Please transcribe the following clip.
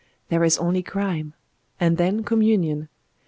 There is only Crime. And then Communion.